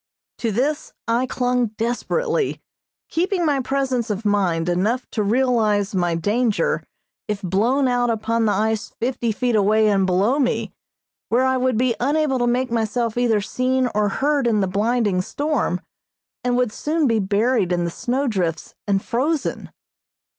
To this I clung desperately, keeping my presence of mind enough to realize my danger if blown out upon the ice fifty feet away and below me, where I would be unable to make myself either seen or heard in the blinding storm and would soon be buried in the snow drifts and frozen.